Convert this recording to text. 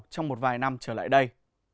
trong một vài năm trở lại đây